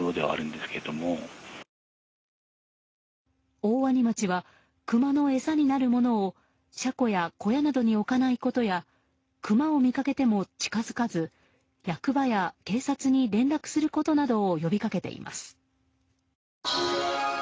大鰐町はクマの餌になるものを車庫や小屋などに置かないことやクマを見かけても近づかず役場や警察に連絡することなどを呼び掛けています。